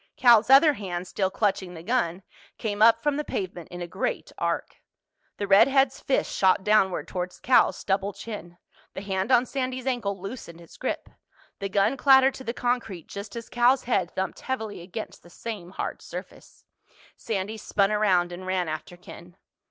Cal's other hand, still clutching the gun, came up from the pavement in a great arc. The redhead's fist shot downward toward Cal's stubbled chin. The hand on Sandy's ankle loosened its grip. The gun clattered to the concrete just as Cal's head thumped heavily against the same hard surface. Sandy spun around and ran after Ken.